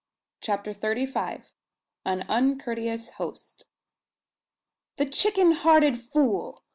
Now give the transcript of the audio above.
CHAPTER THIRTY FIVE. AN UNCOURTEOUS HOST. "The chicken hearted fool!